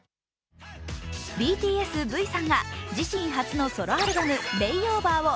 ＢＴＳ・Ｖさんが自身初のソロアルバム「Ｌａｙｏｖｅｒ」を